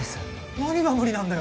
何が無理なんだよ！？